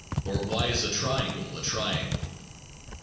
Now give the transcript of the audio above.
or Why is a triangle a triangle?